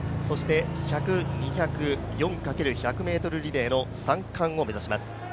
１００、２００、４×１００ｍリレーの３冠を目指します。